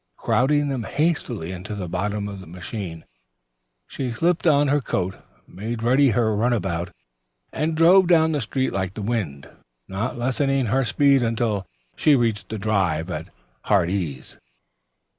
Crowding them hastily into the bottom of the machine, she slipped on her coat, made ready her runabout and drove down the street like the wind, not lessening her speed until she reached the drive at "Heartsease."